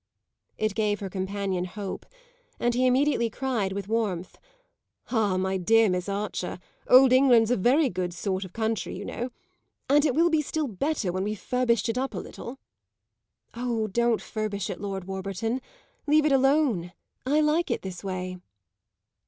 It gave her companion hope, and he immediately cried with warmth: "Ah, my dear Miss Archer, old England's a very good sort of country, you know! And it will be still better when we've furbished it up a little." "Oh, don't furbish it, Lord Warburton , leave it alone. I like it this way."